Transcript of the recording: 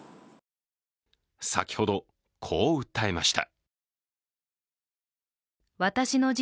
先ほど、こう訴えました。